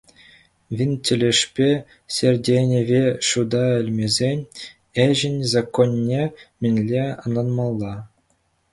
Винт тӗлӗшпе, сӗртӗнӗве шута илмесен, ӗҫӗн законне мӗнле ӑнланмалла?